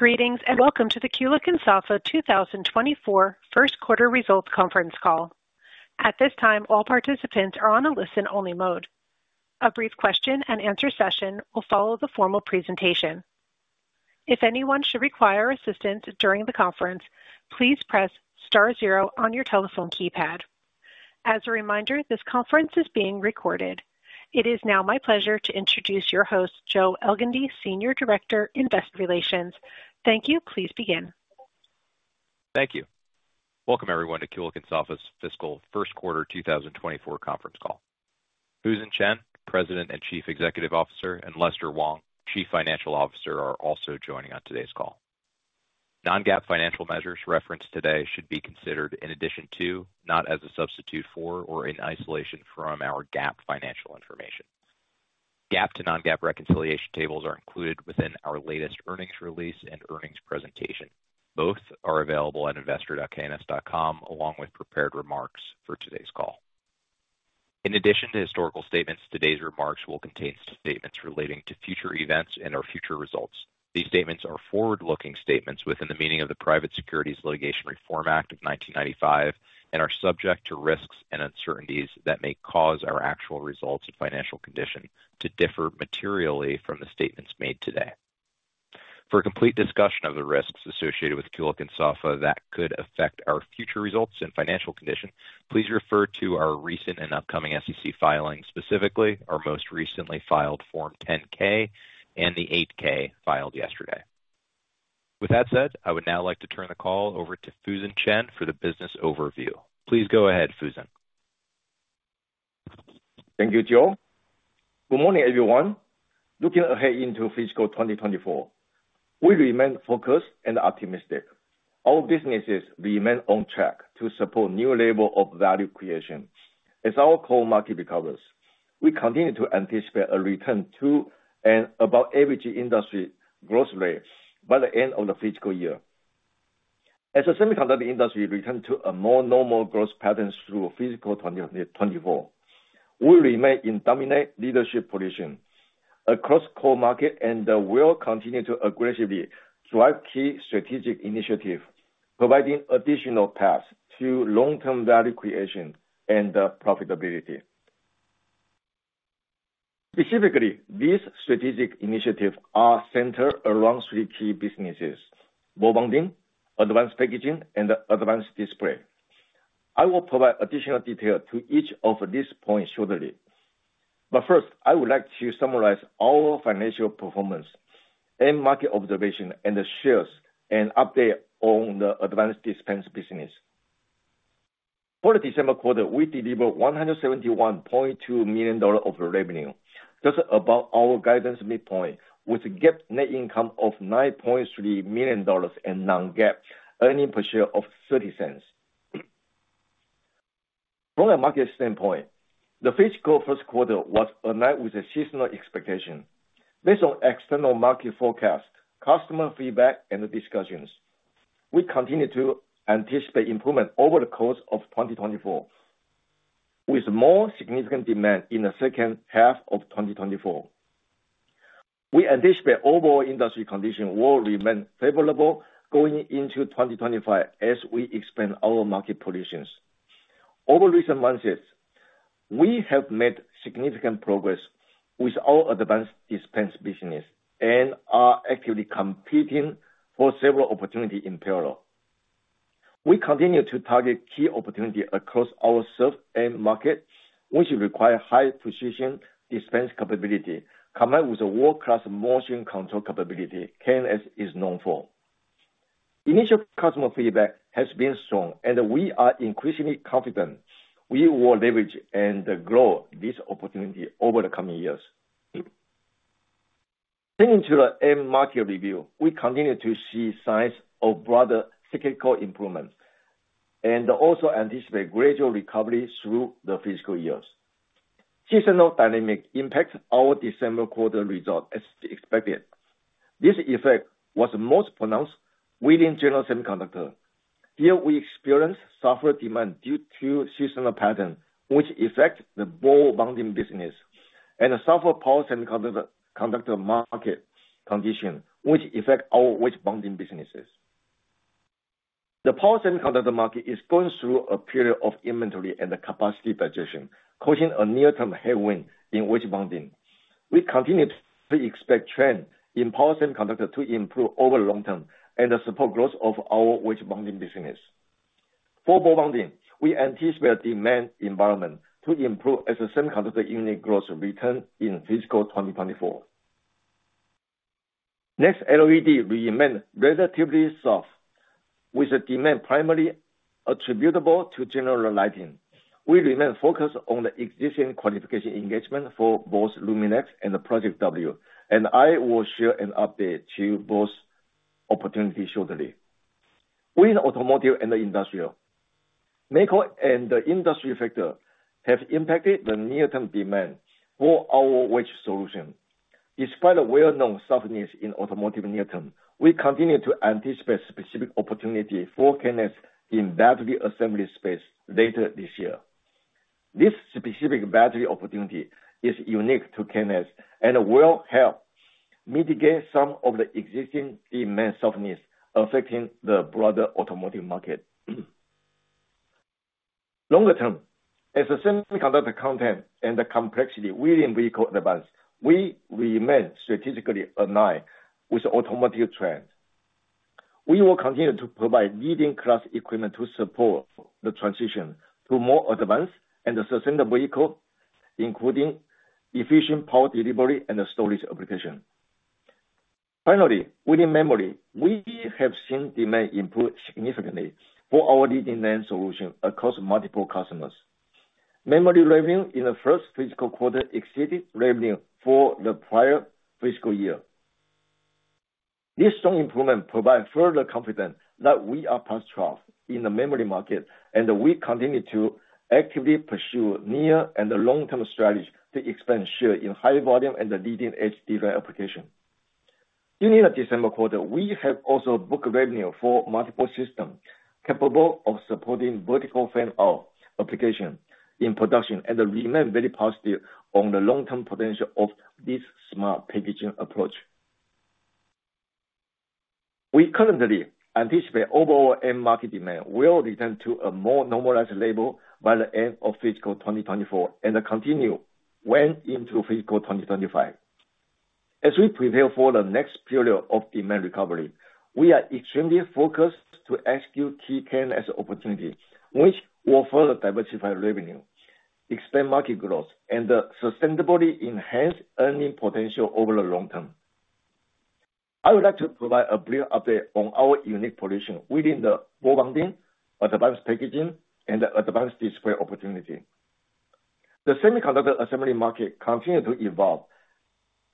Greetings, and welcome to the Kulicke & Soffa 2024 first quarter results conference call. At this time, all participants are on a listen-only mode. A brief question and answer session will follow the formal presentation. If anyone should require assistance during the conference, please press star zero on your telephone keypad. As a reminder, this conference is being recorded. It is now my pleasure to introduce your host, Joe Elgindy, Senior Director, Investor Relations. Thank you. Please begin. Thank you. Welcome everyone to Kulicke & Soffa's fiscal first quarter 2024 conference call. Fusen Chen, President and Chief Executive Officer, and Lester Wong, Chief Financial Officer, are also joining on today's call. Non-GAAP financial measures referenced today should be considered in addition to, not as a substitute for or in isolation from, our GAAP financial information. GAAP to non-GAAP reconciliation tables are included within our latest earnings release and earnings presentation. Both are available at investor.kns.com, along with prepared remarks for today's call. In addition to historical statements, today's remarks will contain statements relating to future events and/or future results. These statements are forward-looking statements within the meaning of the Private Securities Litigation Reform Act of 1995, and are subject to risks and uncertainties that may cause our actual results and financial condition to differ materially from the statements made today. For a complete discussion of the risks associated with Kulicke & Soffa that could affect our future results and financial condition, please refer to our recent and upcoming SEC filings, specifically our most recently filed Form 10-K and the 8-K filed yesterday. With that said, I would now like to turn the call over to Fusen Chen for the business overview. Please go ahead, Fusen. Thank you, Joe. Good morning, everyone. Looking ahead into fiscal 2024, we remain focused and optimistic. Our businesses remain on track to support new level of value creation. As our core market recovers, we continue to anticipate a return to and above average industry growth rate by the end of the fiscal year. As the semiconductor industry return to a more normal growth pattern through fiscal 2024, we remain in dominant leadership position across core market and, will continue to aggressively drive key strategic initiative, providing additional paths to long-term value creation and, profitability. Specifically, these strategic initiatives are centered around three key businesses: ball bonding, advanced packaging, and advanced display. I will provide additional detail to each of these points shortly. But first, I would like to summarize our financial performance and market observation, and share an update on the advanced dispense business. For the December quarter, we delivered $171.2 million of revenue, just above our guidance midpoint, with GAAP net income of $9.3 million and non-GAAP earnings per share of $0.30. From a market standpoint, the fiscal first quarter was in line with the seasonal expectation. Based on external market forecast, customer feedback, and discussions, we continue to anticipate improvement over the course of 2024, with more significant demand in the second half of 2024. We anticipate overall industry conditions will remain favorable going into 2025 as we expand our market positions. Over recent months, we have made significant progress with our advanced dispense business and are actively competing for several opportunities in parallel. We continue to target key opportunities across our served end markets, which require high precision dispense capability, combined with a world-class motion control capability K&S is known for. Initial customer feedback has been strong, and we are increasingly confident we will leverage and grow this opportunity over the coming years. Turning to the end market review, we continue to see signs of broader cyclical improvements and also anticipate gradual recovery through the fiscal years. Seasonal dynamics impact our December quarter results as expected. This effect was most pronounced within general semiconductor. Here, we experienced softer demand due to seasonal patterns, which affect the ball bonding business and softer power semiconductor market conditions, which affect our wedge bonding businesses. The power semiconductor market is going through a period of inventory and capacity positioning, causing a near-term headwind in wedge bonding. We continue to expect trend in power semiconductor to improve over the long term and support growth of our wedge bonding business. For ball bonding, we anticipate demand environment to improve as the semiconductor unit growth return in fiscal 2024. Next, LED remain relatively soft, with the demand primarily attributable to general lighting. We remain focused on the existing qualification engagement for both LUMINEX and the Project W, and I will share an update to both opportunities shortly. Within automotive and industrial, macro and industry factor have impacted the near-term demand for our wedge solution. Despite a well-known softness in automotive near term, we continue to anticipate specific opportunity for K&S in battery assembly space later this year. This specific battery opportunity is unique to K&S and will help mitigate some of the existing demand softness affecting the broader automotive market. Longer term, as the semiconductor content and the complexity within vehicle advance, we remain strategically aligned with automotive trends. We will continue to provide leading class equipment to support the transition to more advanced and sustainable vehicle, including efficient power delivery and storage application. Finally, within memory, we have seen demand improve significantly for our leading-edge solution across multiple customers. Memory revenue in the first fiscal quarter exceeded revenue for the prior fiscal year. This strong improvement provides further confidence that we are past trials in the memory market, and we continue to actively pursue near and the long-term strategy to expand share in high volume and the leading-edge design application. During the December quarter, we have also booked revenue for multiple systems, capable of supporting Vertical-Fan-Out application in production and remain very positive on the long-term potential of this smart packaging approach. We currently anticipate overall end market demand will return to a more normalized level by the end of fiscal 2024 and continue well into fiscal 2025. As we prepare for the next period of demand recovery, we are extremely focused to execute K&S opportunity, which will further diversify revenue, expand market growth, and sustainably enhance earning potential over the long term. I would like to provide a brief update on our unique position within the ball bonding, advanced packaging, and advanced display opportunity. The semiconductor assembly market continue to evolve,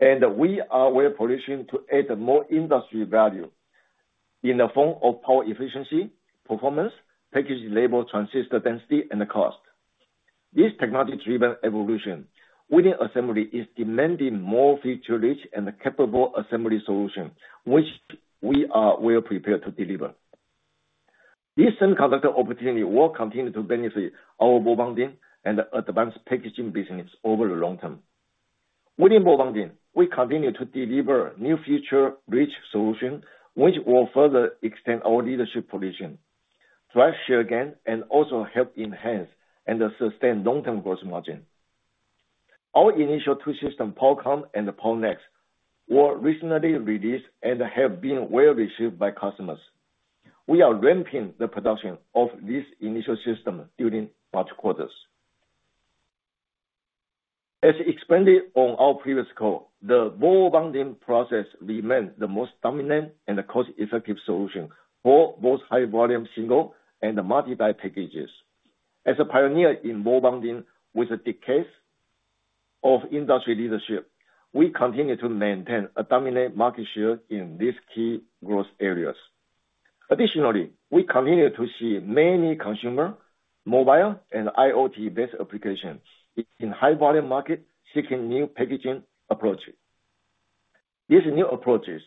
and we are well positioned to add more industry value in the form of power efficiency, performance, package label, transistor density, and cost. This technology-driven evolution within assembly is demanding more feature-rich and capable assembly solution, which we are well prepared to deliver. This semiconductor opportunity will continue to benefit our ball bonding and advanced packaging business over the long term. Within ball bonding, we continue to deliver new feature-rich solution, which will further extend our leadership position, drive share gain, and also help enhance and sustain long-term growth margin. Our initial two system, POWERCOMM and the POWERNEXX were recently released and have been well received by customers. We are ramping the production of this initial system during March quarters. As explained on our previous call, the ball bonding process remains the most dominant and cost-effective solution for both high volume, single, and the multi-die packages. Additionally, we continue to see many consumer, mobile, and IoT-based applications in high volume market seeking new packaging approach. These new approaches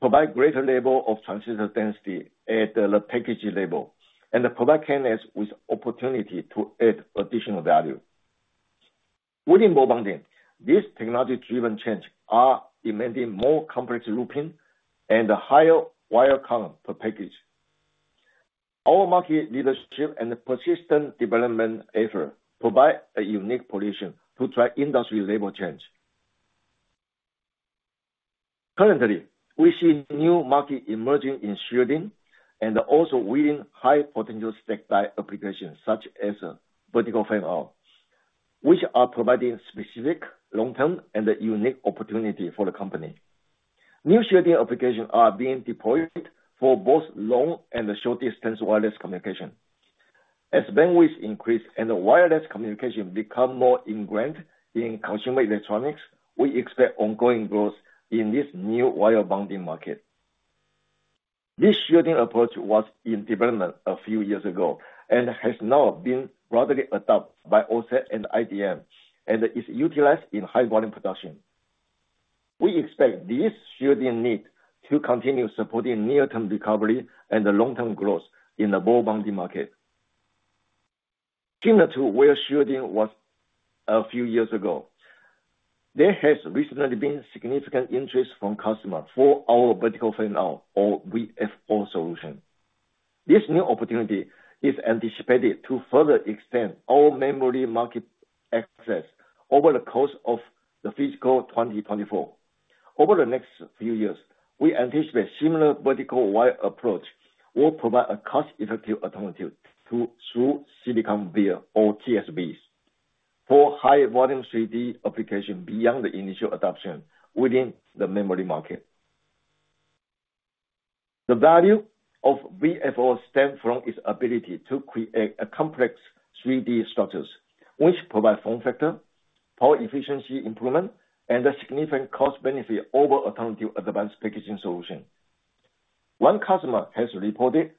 provide greater level of transistor density at the package level and provide K&S with opportunity to add additional value. Within ball bonding, these technology-driven changes are demanding more complex looping and a higher wire count per package. Our market leadership and persistent development effort provide a unique position to drive industry level change. Currently, we see new market emerging in shielding and also within high potential stack die applications, such as Vertical-Fan-Out, which are providing specific long-term and unique opportunity for the company. New shielding applications are being deployed for both long and short distance wireless communication. As bandwidth increase and wireless communication become more ingrained in consumer electronics, we expect ongoing growth in this new wire bonding market. This shielding approach was in development a few years ago and has now been broadly adopted by OSAT and IM, and is utilized in high volume production. We expect this shielding need to continue supporting near-term recovery and the long-term growth in the ball bonding market. Similar to where shielding was a few years ago, there has recently been significant interest from customers for our Vertical-Fan-Out or VFO solution. This new opportunity is anticipated to further extend our memory market access over the course of the fiscal 2024. Over the next few years, we anticipate similar vertical wire approach will provide a cost-effective alternative to Through Silicon Vias or TSVs for high-volume CD application beyond the initial adoption within the memory market. The value of VFO stems from its ability to create a complex 3D structures, which provide form factor, power efficiency improvement, and a significant cost benefit over alternative advanced packaging solution. One customer has reported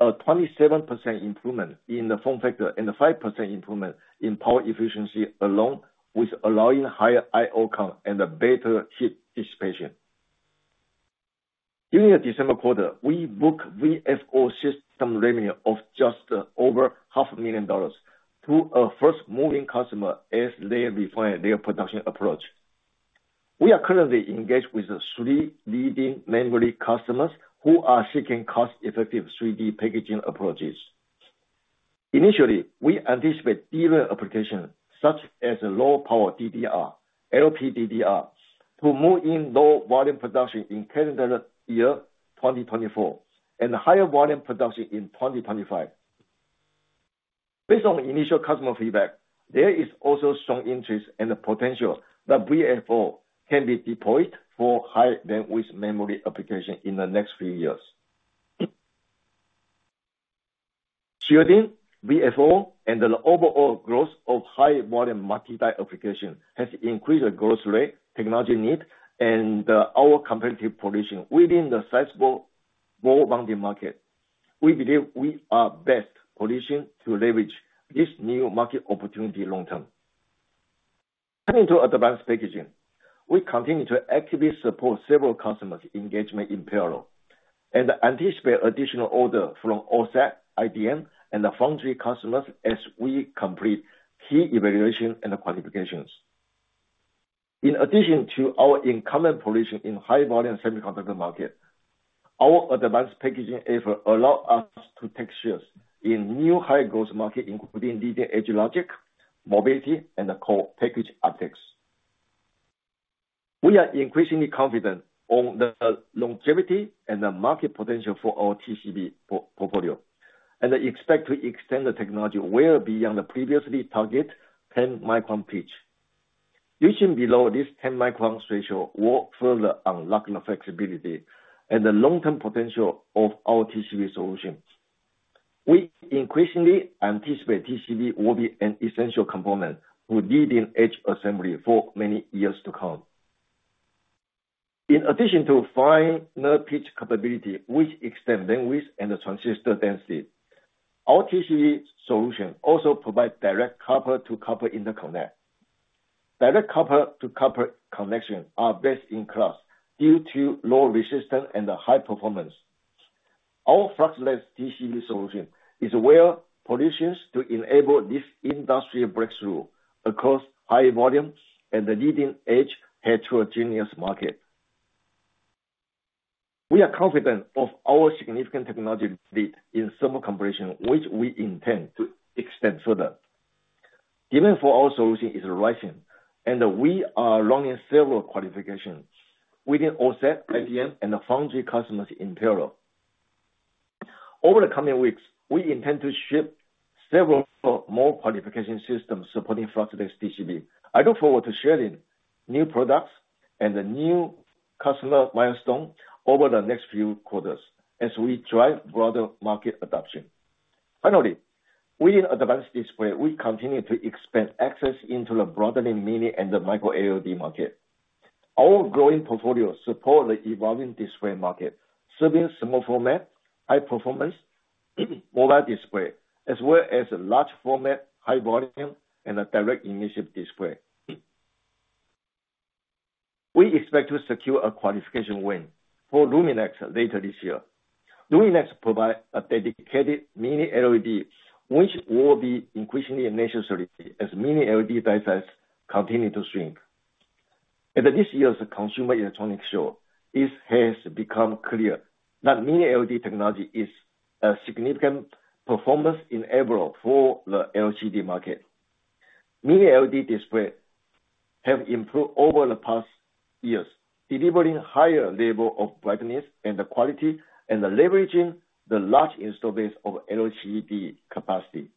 a 27% improvement in the form factor and a 5% improvement in power efficiency, along with allowing higher I/O count and a better heat dissipation. During the December quarter, we booked VFO system revenue of just over $500,000 to a first moving customer as they refine their production approach. We are currently engaged with three leading memory customers who are seeking cost-effective 3D packaging approaches. Initially, we anticipate DRAM applications such as low power DDR, LPDDR, to move in low volume production in calendar year 2024, and higher volume production in 2025. Based on initial customer feedback, there is also strong interest and the potential that VFO can be deployed for high bandwidth memory application in the next few years. Shielding, VFO, and the overall growth of high volume multi-die application has increased the growth rate, technology need, and our competitive position within the sizable worldwide market. We believe we are best positioned to leverage this new market opportunity long term. Turning to advanced packaging, we continue to actively support several customers engagement in parallel, and anticipate additional order from OSAT, IDM, and the foundry customers as we complete key evaluation and qualifications. In addition to our incumbent position in high volume semiconductor market, our advanced packaging effort allow us to take shares in new high growth market, including leading-edge logic, mobility, and co-packaged optics. We are increasingly confident on the longevity and the market potential for our TCB portfolio, and expect to extend the technology well beyond the previously targeted 10-micron pitch. Reaching below this 10-micron threshold will further unlock the flexibility and the long-term potential of our TCB solutions. We increasingly anticipate TCB will be an essential component for leading-edge assembly for many years to come. In addition to finer pitch capability, which extend bandwidth and the transistor density, our TCB solution also provides direct copper to copper interconnect. Direct copper to copper connection are best in class due to low resistance and high performance. Our fluxless TCB solution is well positioned to enable this industrial breakthrough across high volume and the leading edge heterogeneous market. We are confident of our significant technology lead in thermal compression, which we intend to extend further. Demand for our solution is rising, and we are running several qualifications within OSAT, IDM, and the foundry customers in parallel. Over the coming weeks, we intend to ship several more qualification systems supporting fluxless TCB. I look forward to sharing new products and the new customer milestone over the next few quarters as we drive broader market adoption. Finally, within advanced display, we continue to expand access into the broadening mini and the Micro LED market. Our growing portfolio support the evolving display market, serving small format, high performance, mobile display, as well as large format, high volume, and a direct emissive display. We expect to secure a qualification win for LUMINEX later this year. LUMINEX provide a dedicated Mini LED, which will be increasingly a necessity as Mini LED die size continue to shrink. At this year's Consumer Electronics Show, it has become clear that Mini LED technology is a significant performance enabler for the LCD market. Mini LED display have improved over the past years, delivering higher level of brightness and the quality, and leveraging the large install base of LCD capacity.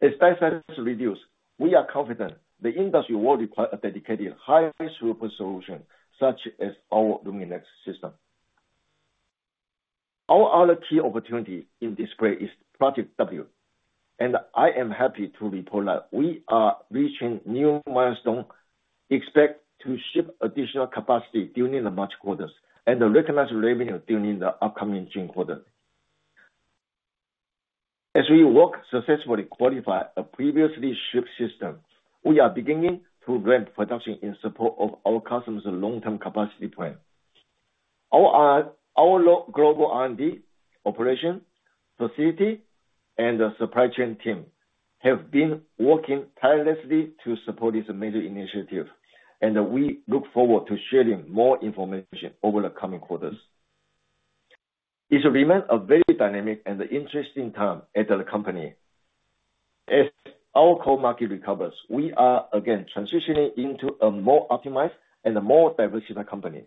As die size reduce, we are confident the industry will require a dedicated, high throughput solution, such as our LUMINEX system. Our other key opportunity in display is Project W, and I am happy to report that we are reaching new milestone, expect to ship additional capacity during the March quarters and recognize revenue during the upcoming June quarter. As we work successfully qualify a previously shipped system, we are beginning to ramp production in support of our customers' long-term capacity plan. Our global R&D operation facility and the supply chain team have been working tirelessly to support this major initiative, and we look forward to sharing more information over the coming quarters. It remains a very dynamic and interesting time at the company. As our core market recovers, we are again transitioning into a more optimized and a more diversified company.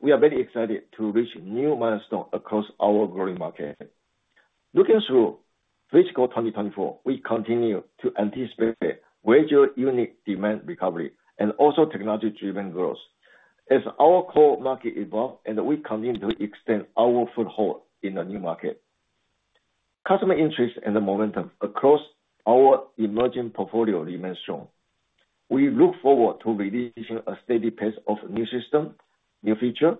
We are very excited to reach new milestone across our growing market. Looking through fiscal 2024, we continue to anticipate major unit demand recovery and also technology-driven growth. As our core market evolve and we continue to extend our foothold in the new market, customer interest and the momentum across our emerging portfolio remains strong. We look forward to releasing a steady pace of new system, new feature,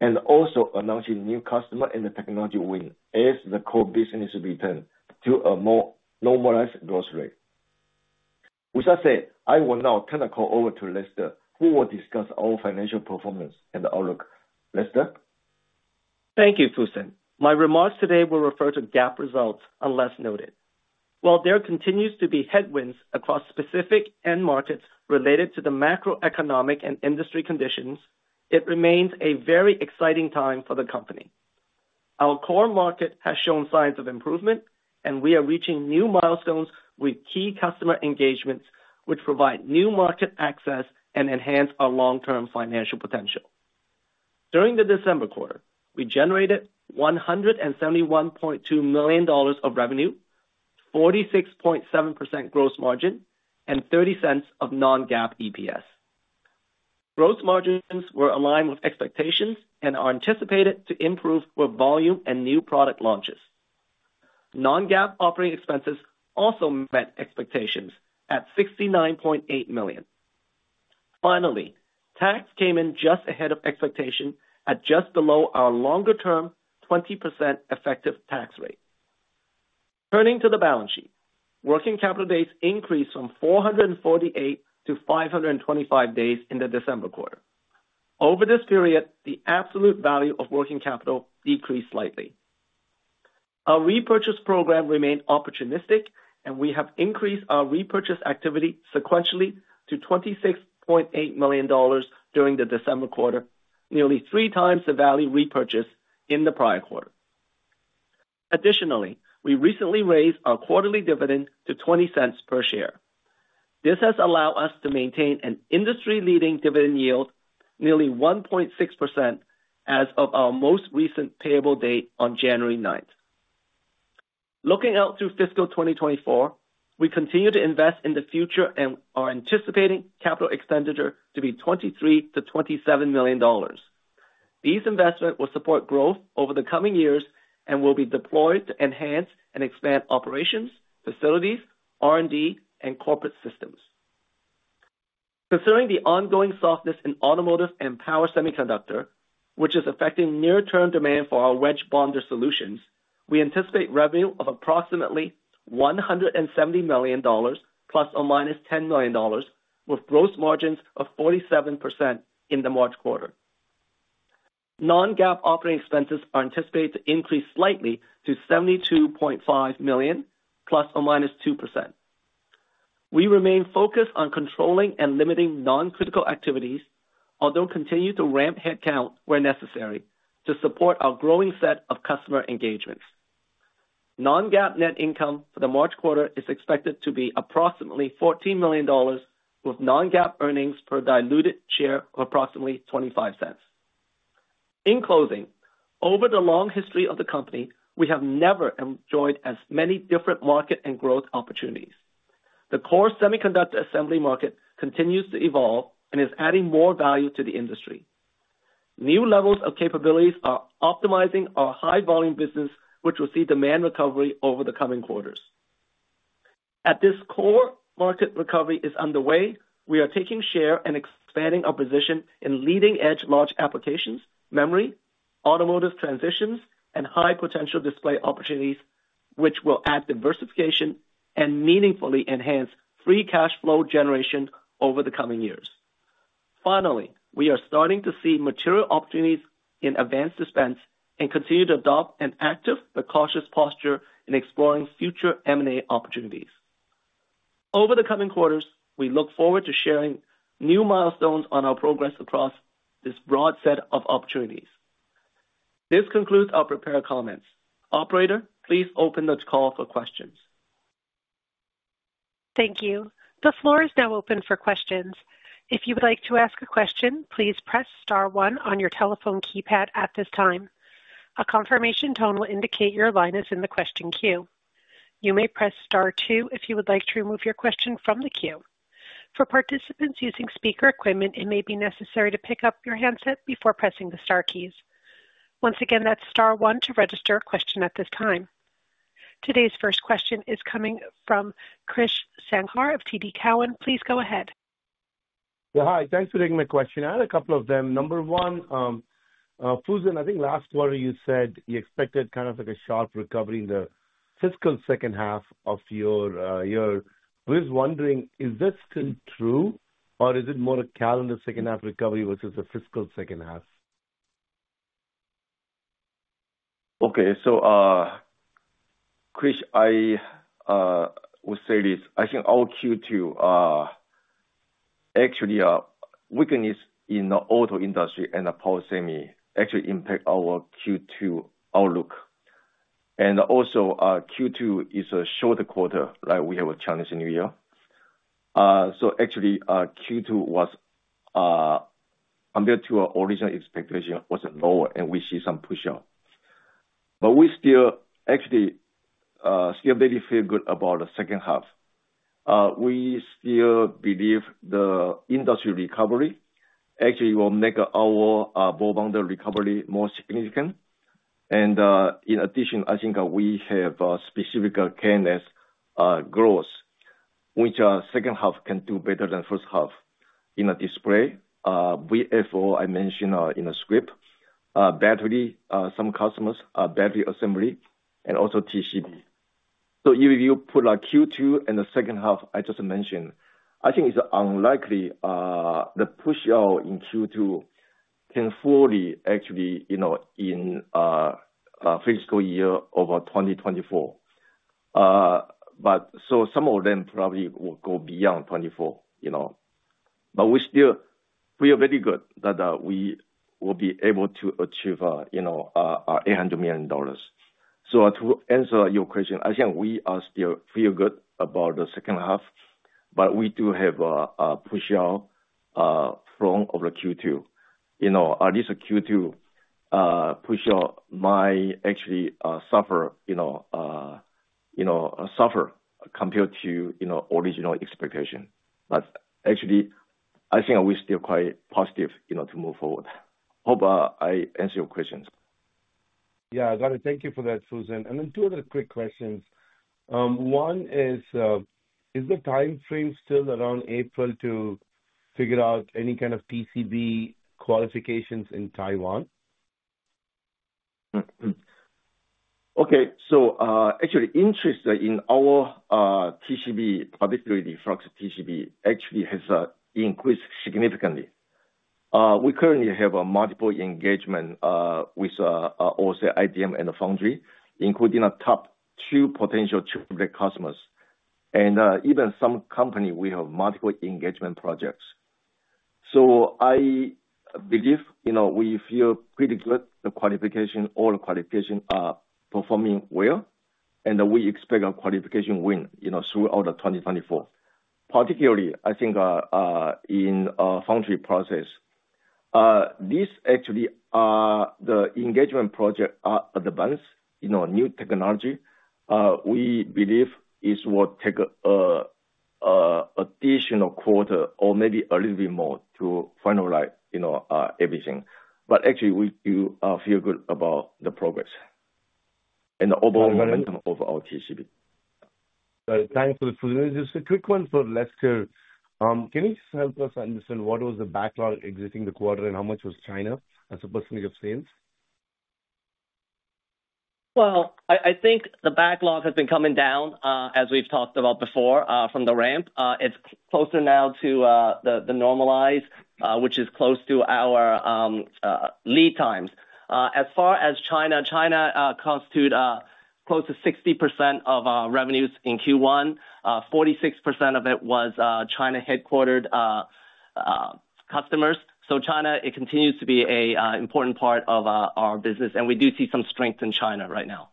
and also announcing new customer and the technology win as the core business return to a more normalized growth rate. With that said, I will now turn the call over to Lester, who will discuss our financial performance and the outlook. Lester? Thank you, Fusen. My remarks today will refer to GAAP results, unless noted. While there continues to be headwinds across specific end markets related to the macroeconomic and industry conditions, it remains a very exciting time for the company. Our core market has shown signs of improvement, and we are reaching new milestones with key customer engagements, which provide new market access and enhance our long-term financial potential. During the December quarter, we generated $171.2 million of revenue, 46.7% gross margin, and $0.30 of non-GAAP EPS. Gross margins were aligned with expectations and are anticipated to improve with volume and new product launches. Non-GAAP operating expenses also met expectations at $69.8 million. Finally, tax came in just ahead of expectation at just below our longer-term, 20% effective tax rate. Turning to the balance sheet. Working capital days increased from 448 to 525 days in the December quarter. Over this period, the absolute value of working capital decreased slightly. Our repurchase program remained opportunistic, and we have increased our repurchase activity sequentially to $26.8 million during the December quarter, nearly three times the value repurchased in the prior quarter. Additionally, we recently raised our quarterly dividend to $0.20 per share. This has allowed us to maintain an industry-leading dividend yield, nearly 1.6% as of our most recent payable date on January ninth. Looking out through fiscal 2024, we continue to invest in the future and are anticipating capital expenditure to be $23 million-$27 million. These investments will support growth over the coming years and will be deployed to enhance and expand operations, facilities, R&D, and corporate systems. Concerning the ongoing softness in automotive and power semiconductor, which is affecting near-term demand for our wedge bonder solutions, we anticipate revenue of approximately $170 million ±$10 million, with gross margins of 47% in the March quarter. Non-GAAP operating expenses are anticipated to increase slightly to $72.5 million ±2%. We remain focused on controlling and limiting non-critical activities, although continue to ramp headcount where necessary, to support our growing set of customer engagements. Non-GAAP net income for the March quarter is expected to be approximately $14 million, with non-GAAP earnings per diluted share of approximately $0.25. In closing, over the long history of the company, we have never enjoyed as many different market and growth opportunities. The core semiconductor assembly market continues to evolve and is adding more value to the industry. New levels of capabilities are optimizing our high volume business, which will see demand recovery over the coming quarters. At this core, market recovery is underway. We are taking share and expanding our position in leading-edge logic applications, memory, automotive transitions, and high potential display opportunities, which will add diversification and meaningfully enhance free cash flow generation over the coming years. Finally, we are starting to see material opportunities in advanced dispense and continue to adopt an active but cautious posture in exploring future M&A opportunities. Over the coming quarters, we look forward to sharing new milestones on our progress across this broad set of opportunities. This concludes our prepared comments. Operator, please open this call for questions. Thank you. The floor is now open for questions. If you would like to ask a question, please press star one on your telephone keypad at this time. A confirmation tone will indicate your line is in the question queue. You may press star two if you would like to remove your question from the queue. For participants using speaker equipment, it may be necessary to pick up your handset before pressing the star keys. Once again, that's star one to register a question at this time. Today's first question is coming from Krish Sankar of TD Cowen. Please go ahead. Yeah, hi. Thanks for taking my question. I had a couple of them. Number one, Fusen, I think last quarter, you said you expected kind of like a sharp recovery in the fiscal second half of your... We're just wondering, is this still true, or is it more a calendar second half recovery versus a fiscal second half? Okay. So, Krish, I will say this: I think our Q2 actually weakness in the auto industry and the power semi actually impact our Q2 outlook. And also, Q2 is a shorter quarter, like, we have a Chinese New Year. So actually, Q2 was compared to our original expectation, was lower and we see some push off. But we still actually still very feel good about the second half. We still believe the industry recovery actually will make our bonder recovery more significant. And in addition, I think we have a specific cadence growth, which second half can do better than first half... in a display, VFO, I mentioned in the script, battery, some customers battery assembly and also TCB. So if you put, like, Q2 and the second half, I just mentioned, I think it's unlikely, the push out in Q2, then Q4 actually, you know, in fiscal year over 2024. But so some of them probably will go beyond 2024, you know? But we still feel very good that we will be able to achieve, you know, our $800 million. So to answer your question, I think we are still feel good about the second half, but we do have a push out from over Q2. You know, at least Q2 push out might actually suffer, you know, suffer compared to original expectation. But actually, I think we're still quite positive, you know, to move forward. Hope I answer your questions. Yeah, got it. Thank you for that, Fusen. And then two other quick questions. One is, is the timeframe still around April to figure out any kind of TCB qualifications in Taiwan? Okay. So, actually, interest in our TCB, particularly the fluxless TCB, actually has increased significantly. We currently have a multiple engagement with OSAT, IDM and foundry, including a top two potential tier customers. And even some company, we have multiple engagement projects. So I believe, you know, we feel pretty good. The qualification, all the qualification are performing well, and we expect our qualification win, you know, throughout 2024. Particularly, I think in foundry process. This actually are, the engagement project are advanced, you know, new technology. We believe is what take additional quarter or maybe a little bit more to finalize, you know, everything. But actually we do feel good about the progress and the overall momentum of our TCB. Thanks for this. Just a quick one for Lester. Can you just help us understand what was the backlog exiting the quarter, and how much was China as a percentage of sales? Well, I think the backlog has been coming down, as we've talked about before, from the ramp. It's closer now to the normalize, which is close to our lead times. As far as China, China constitute close to 60% of our revenues in Q1. 46% of it was China headquartered customers. So China, it continues to be a important part of our business, and we do see some strength in China right now.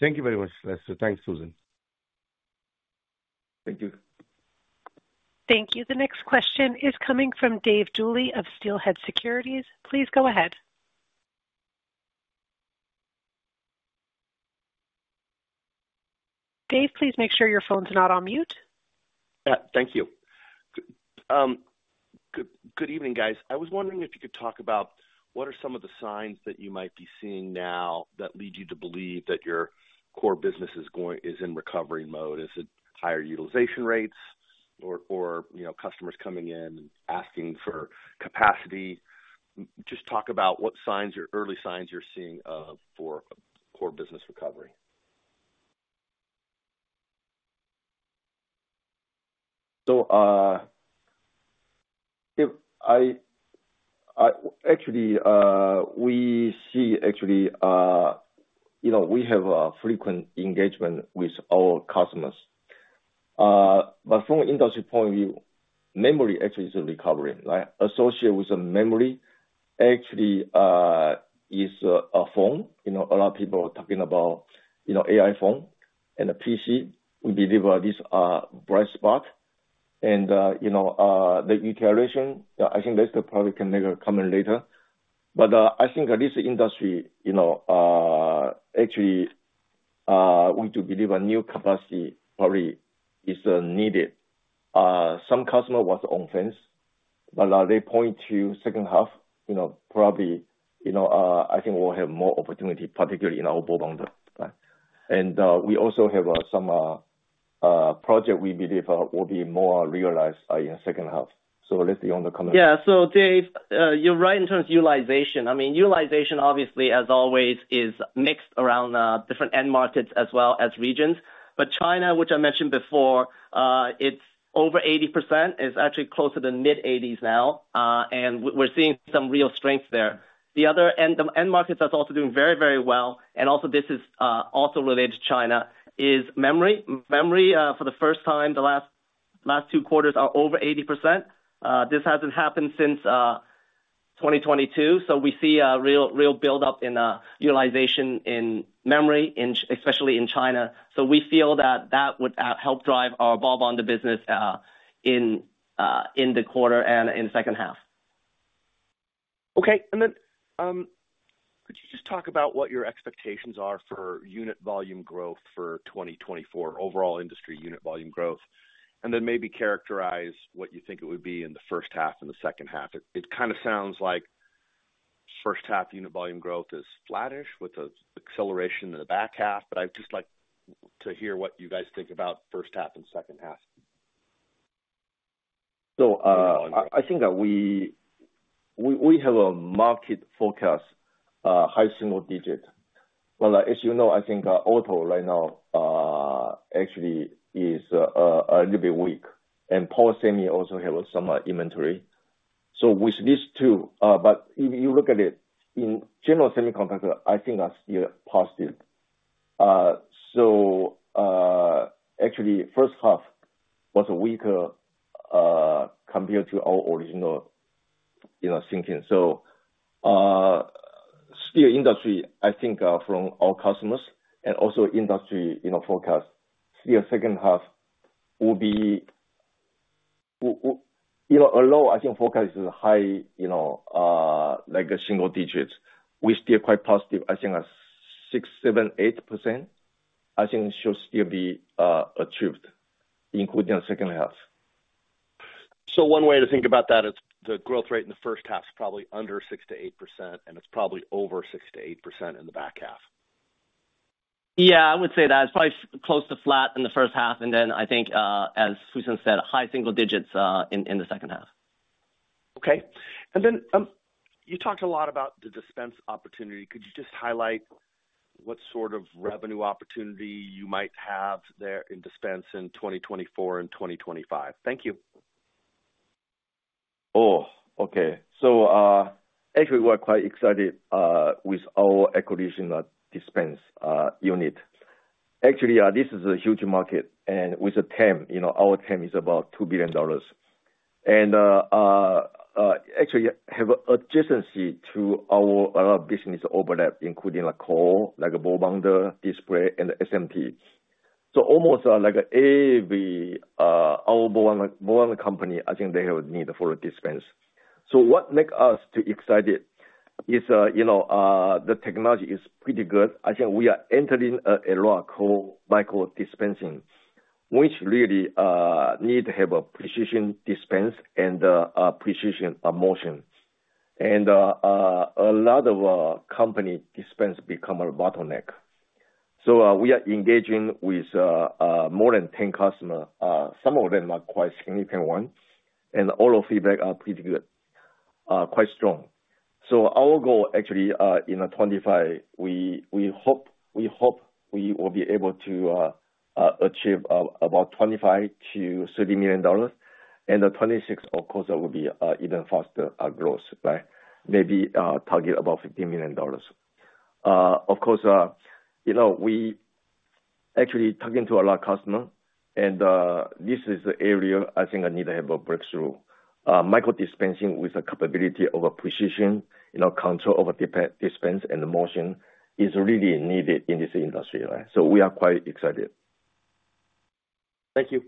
Thank you very much, Lester. Thanks, Fusen. Thank you. Thank you. The next question is coming from Dave Duley of Steelhead Securities. Please go ahead. Dave, please make sure your phone's not on mute. Yeah. Thank you. Good, good evening, guys. I was wondering if you could talk about what are some of the signs that you might be seeing now that lead you to believe that your core business is going... is in recovery mode? Is it higher utilization rates or, or, you know, customers coming in and asking for capacity? Just talk about what signs, or early signs you're seeing, for core business recovery. Actually, we see actually, you know, we have a frequent engagement with our customers. But from an industry point of view, memory actually is recovering, right? Associated with the memory, actually, is a phone. You know, a lot of people are talking about, you know, AI phone and a PC. We believe this bright spot and, you know, the iteration, I think Lester probably can make a comment later. But I think this industry, you know, actually, we to believe a new capacity probably is needed. Some customer was on fence, but now they point to second half, you know, probably, you know, I think we'll have more opportunity, particularly in our bond, right? And we also have some project we believe will be more realized in second half. So let's see on the comment. Yeah. So, Dave, you're right in terms of utilization. I mean, utilization, obviously, as always, is mixed around different end markets as well as regions. But China, which I mentioned before, it's over 80%. It's actually closer to mid-80s% now, and we're seeing some real strength there. The other end markets that's also doing very, very well, and also this is also related to China, is memory. Memory, for the first time, the last two quarters are over 80%. This hasn't happened since 2022, so we see a real, real buildup in utilization in memory in, especially in China. So we feel that that would help drive our ballbond business in the quarter and in second half. Okay. And then, could you just talk about what your expectations are for unit volume growth for 2024, overall industry unit volume growth? And then maybe characterize what you think it would be in the first half and the second half. It kind of sounds like first half unit volume growth is flattish with an acceleration in the back half, but I'd just like to hear what you guys think about first half and second half. So, I think that we have a market forecast, high single digit. Well, as you know, I think, auto right now, actually is a little bit weak, and power semi also have some inventory. So with these two, but if you look at it, in general semiconductor, I think that's still positive. So, actually, first half was weaker, compared to our original, you know, thinking. So, still industry, I think, from our customers and also industry, you know, forecast, still second half will be, you know, although I think forecast is high, you know, like a single digits, we're still quite positive. I think that's 6, 7, 8%, I think should still be achieved, including the second half. One way to think about that is the growth rate in the first half is probably under 6%-8%, and it's probably over 6%-8% in the back half. Yeah, I would say that. It's probably close to flat in the first half, and then I think, as Fusen said, high single digits, in the second half. Okay. And then, you talked a lot about the dispense opportunity. Could you just highlight what sort of revenue opportunity you might have there in dispense in 2024 and 2025? Thank you. Oh, okay. So, actually, we're quite excited with our acquisition of dispense unit. Actually, this is a huge market, and with the TAM, you know, our TAM is about $2 billion. And, actually have adjacency to our, our business overlap, including like core, like a ball bonder, display, and SMT. So almost our ball bonder, ball bonding company, I think they have a need for a dispense. So what make us to excited is, you know, the technology is pretty good. I think we are entering a era called micro dispensing, which really need to have a precision dispense and a precision motion. And a lot of company dispense become a bottleneck. So, we are engaging with more than 10 customers. Some of them are quite significant ones, and all feedback are pretty good, quite strong. So our goal actually, in 2025, we hope we will be able to achieve about $25 million-$30 million. And the 2026, of course, that will be even faster growth, right? Maybe target about $15 million. Of course, you know, we actually talking to a lot of customer, and this is the area I think I need to have a breakthrough. Micro dispensing with the capability of a precision, you know, control over dispense and the motion is really needed in this industry, right? So we are quite excited. Thank you.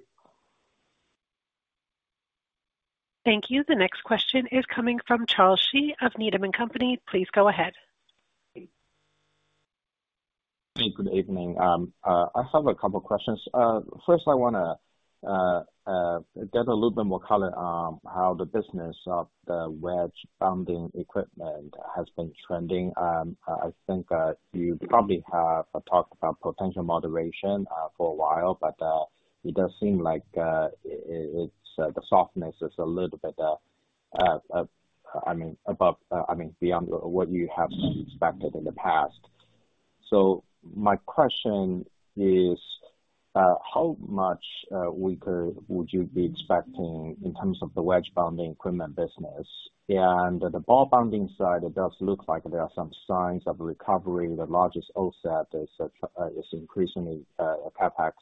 Thank you. The next question is coming from Charles Shi of Needham & Company. Please go ahead. Hey, good evening. I have a couple questions. First, I want to get a little bit more color on how the business of the wedge bonding equipment has been trending. I think you probably have talked about potential moderation for a while, but it does seem like it's the softness is a little bit I mean beyond what you have expected in the past. So my question is, how much weaker would you be expecting in terms of the wedge bonding equipment business? And the ball bonding side, it does look like there are some signs of recovery. The largest offset is increasing CapEx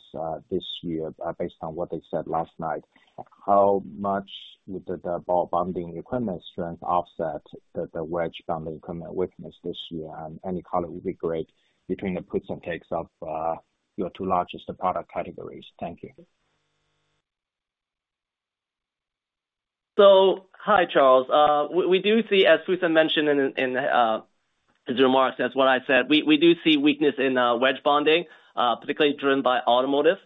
this year, based on what they said last night. How much would the ball bonding equipment strength offset the wedge bonding equipment weakness this year? And any color would be great between the puts and takes of your two largest product categories. Thank you. So hi, Charles. We do see, as Fusen mentioned in the remarks, that's what I said. We do see weakness in wedge bonding, particularly driven by automotive.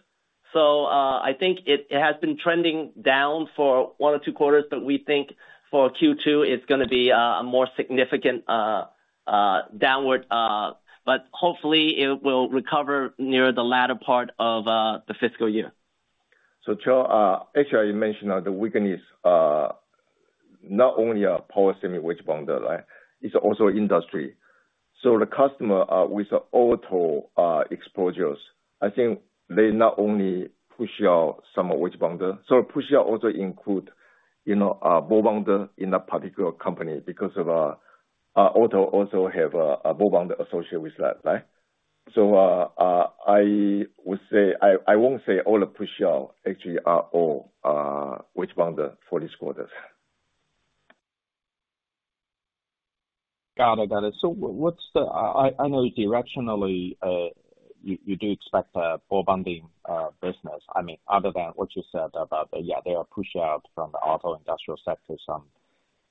So, I think it has been trending down for one or two quarters, but we think for Q2, it's gonna be a more significant downward. But hopefully it will recover near the latter part of the fiscal year. So Charles, actually, I mentioned the weakness, not only a power semi wedge bonder, right? It's also industry. So the customer with auto exposures, I think they not only push out some wedge bonder. So push out also include, you know, ball bonder in that particular company because of auto also have a ball bonder associated with that, right? So, I would say, I won't say all the push out actually are all wedge bonder for this quarter. Got it. Got it. So what's the... I know directionally, you do expect the ball bonding business, I mean, other than what you said about the, yeah, they are pushed out from the auto industrial sector some,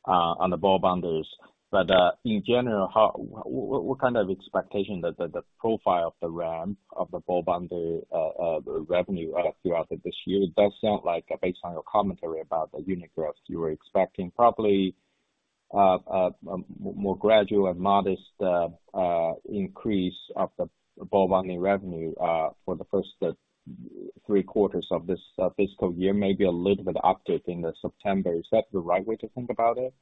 on the ball bonders. But in general, what kind of expectation that the profile of the ramp of the ball bonder revenue throughout this year? It does sound like based on your commentary about the unit growth, you were expecting probably a more gradual and modest increase of the ball bonding revenue for the first three quarters of this fiscal year, maybe a little bit uptick in the September. Is that the right way to think about it?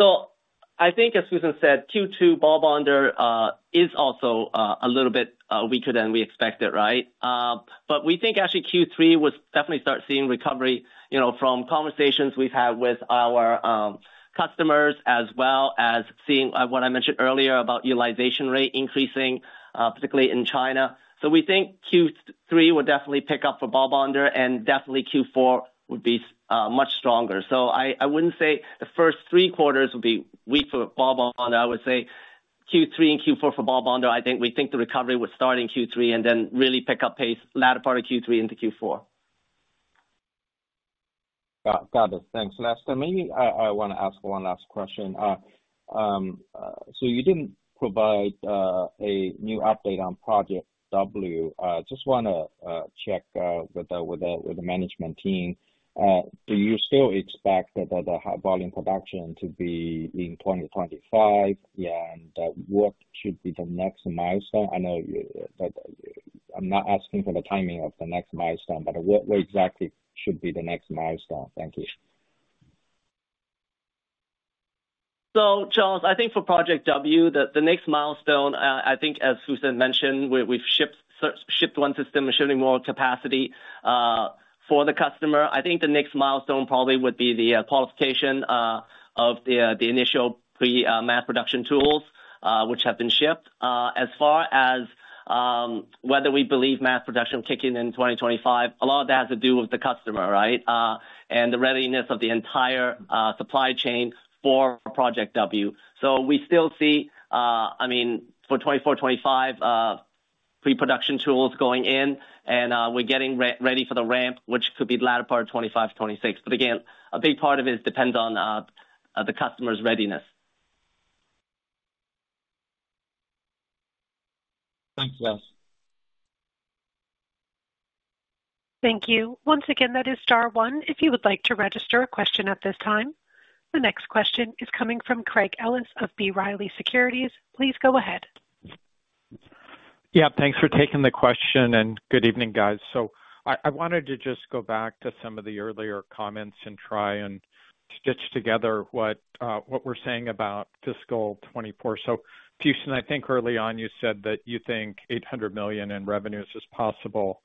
So I think as Fusen said, Q2 ball bonder is also a little bit weaker than we expected, right? But we think actually Q3 would definitely start seeing recovery, you know, from conversations we've had with our customers, as well as seeing what I mentioned earlier about utilization rate increasing, particularly in China. So we think Q3 will definitely pick up for ball bonder, and definitely Q4 would be much stronger. So I wouldn't say the first three quarters would be weak for ball bonder. I would say Q3 and Q4 for ball bonder, I think we think the recovery would start in Q3 and then really pick up pace latter part of Q3 into Q4. Got it. Thanks, Lester. Maybe I want to ask one last question. So you didn't provide a new update on Project W. Just want to check with the management team. Do you still expect the high volume production to be in 2025? And, what should be the next milestone? I know you, but I'm not asking for the timing of the next milestone, but what exactly should be the next milestone? Thank you. So Charles, I think for Project W, the next milestone, I think as Fusen mentioned, we've shipped one system, machining more capacity, for the customer. I think the next milestone probably would be the qualification of the initial pre-mass production tools, which have been shipped. As far as whether we believe mass production kicking in 2025, a lot of that has to do with the customer, right? And the readiness of the entire supply chain for Project W. So we still see, I mean, for 2024, 2025, pre-production tools going in, and we're getting ready for the ramp, which could be the latter part of 2025, 2026. But again, a big part of it depends on the customer's readiness. Thanks, Les. Thank you. Once again, that is star one, if you would like to register a question at this time. The next question is coming from Craig Ellis of B. Riley Securities. Please go ahead. Yeah, thanks for taking the question and good evening, guys. So I wanted to just go back to some of the earlier comments and try and stitch together what we're saying about fiscal 2024. So, Fusen, I think early on you said that you think $800 million in revenues is possible,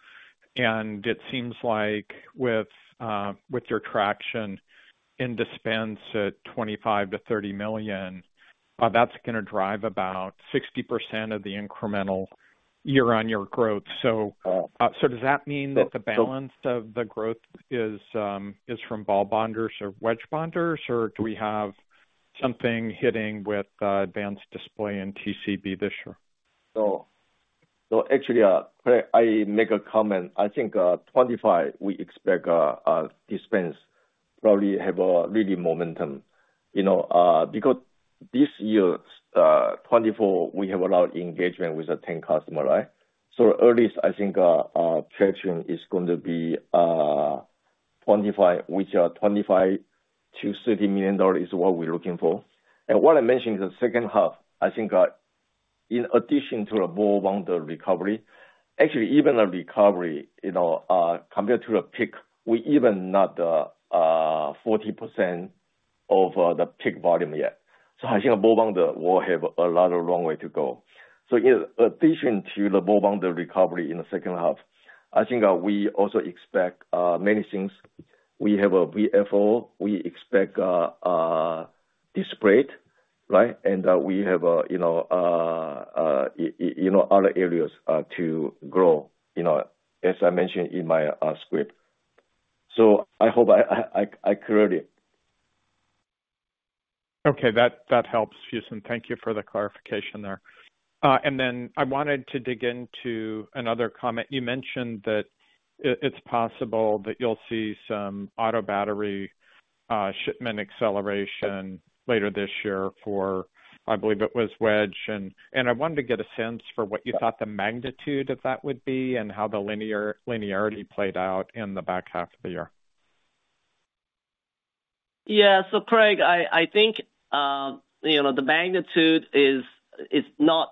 and it seems like with your traction in dispense at $25 million-$30 million, that's going to drive about 60% of the incremental year-on-year growth. So, so does that mean that the balance of the growth is from ball bonders or wedge bonders, or do we have something hitting with advanced display in TCB this year? So actually, Craig, I make a comment. I think, 2025, we expect, dispense probably have a really momentum, you know, because this year, 2024, we have a lot of engagement with the ten customer, right? So earliest, I think, trade trend is going to be, 2025, which are $25 million-$30 million is what we're looking for. And what I mentioned in the second half, I think, in addition to the ball bonder recovery, actually, even a recovery, you know, compared to a peak, we even not, 40% of, the peak volume yet. So I think a ball bonder will have a lot of long way to go. So in addition to the ball bonder recovery in the second half, I think, we also expect, many things. We have a VFO, we expect display, right? And we have, you know, other areas to grow, you know, as I mentioned in my script. So I hope I clear it. Okay, that helps, Fusen. Thank you for the clarification there. And then I wanted to dig into another comment. You mentioned that it's possible that you'll see some auto battery shipment acceleration later this year for, I believe it was wedge and I wanted to get a sense for what you thought the magnitude of that would be and how the linearity played out in the back half of the year. Yeah. So Craig, I, I think, you know, the magnitude is, is not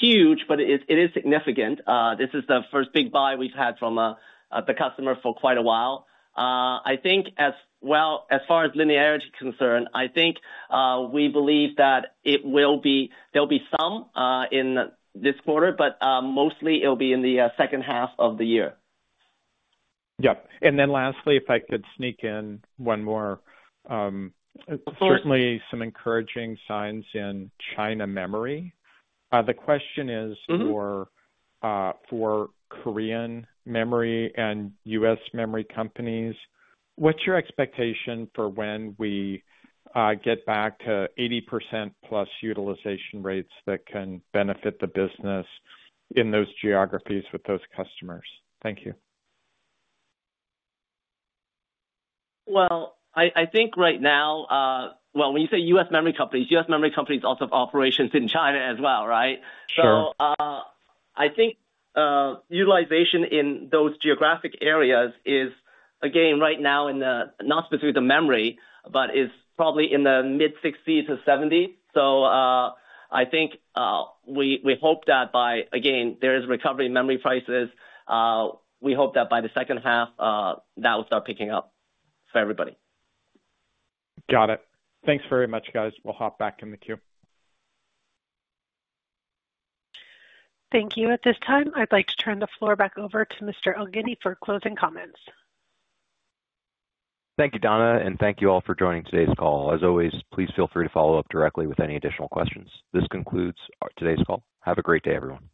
huge, but it is, it is significant. This is the first big buy we've had from the customer for quite a while. I think as well, as far as linearity is concerned, I think, we believe that it will be... There'll be some in this quarter, but, mostly it'll be in the second half of the year. Yep. And then lastly, if I could sneak in one more, Of course. Certainly some encouraging signs in China memory. The question is- Mm-hmm. For Korean memory and US memory companies, what's your expectation for when we get back to 80% plus utilization rates that can benefit the business in those geographies with those customers? Thank you. Well, I think right now, well, when you say U.S. memory companies, U.S. memory companies also have operations in China as well, right? Sure. So, I think utilization in those geographic areas is, again, right now in the, not specifically the memory, but is probably in the mid-60s to 70%. So, I think we hope that by, again, there is recovery in memory prices, we hope that by the second half, that will start picking up for everybody. Got it. Thanks very much, guys. We'll hop back in the queue. Thank you. At this time, I'd like to turn the floor back over to Mr. Elgindy for closing comments. Thank you, Donna, and thank you all for joining today's call. As always, please feel free to follow up directly with any additional questions. This concludes today's call. Have a great day, everyone.